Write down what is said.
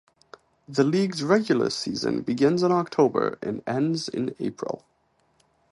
The league's regular season begins in October and ends in April.